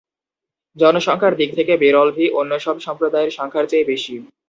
জনসংখ্যার দিক থেকে বেরলভী অন্য সব সম্প্রদায়ের সংখ্যার চেয়ে বেশি।